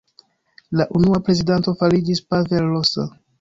La unua prezidanto fariĝis Pavel Rosa.